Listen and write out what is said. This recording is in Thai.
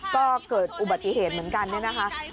ก็เกิดอุบัติเหตุเหมือนกันเนี่ยนะคะ